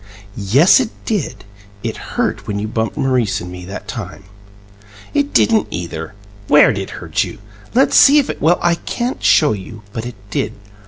"Yes, it did. It hurt when you bumped Maurice and me that time." "It didn't either. WHERE'D it hurt you? Let's see if it " "Well, I can't show you, but it did.